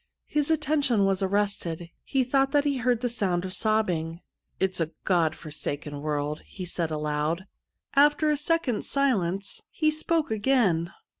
His atten tion was arrested — he thought that he heard the sound of sobbing. ' It's a God forsaken world,' he said aloud. After a second's silence he spoke again.